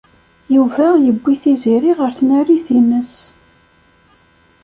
Yuba yewwi Tiziri ɣer tnarit-nnes.